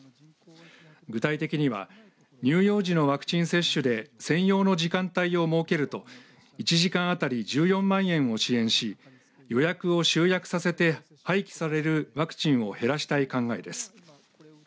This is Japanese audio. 具体的には乳幼児のワクチン接種で専用の時間帯を設けると１時間当たり１４万円を支援し予約を集約させて廃棄されるワクチンを減らしたい考えです。